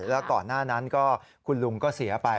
แล้วก่อนหน้านั้นก็คุณลุงก็เสียไป